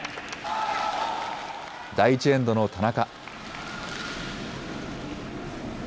第１エンドの田中。